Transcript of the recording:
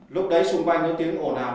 lúc đấy xung quanh có tiếng ổn hào